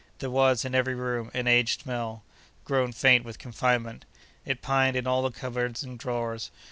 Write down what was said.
There was, in every room, an aged smell, grown faint with confinement. It pined in all the cupboards and drawers.